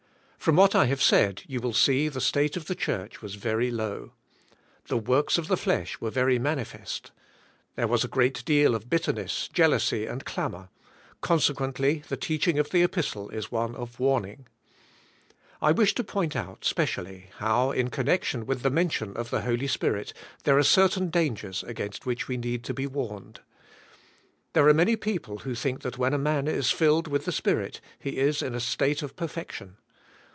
From what I have said you will 104 THE SPIRITUAI, LIFK. see the state of the church was very low. The works of the flesh were very manifest. There was a great deal of bitterness, jealousy and clamor, con sequently the teaching of the Kpistle is one of warn ing. I wish to point out specially, how, in connec tion with the mention of the Holy Spirit there are certain dangers against which we need to be warned. There are many people who think that when a man is filled with the Spirit, he is in a state of perfec tion.